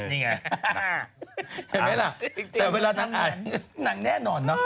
เห็นไหมละแต่เวลาหนังแน่นอนนะ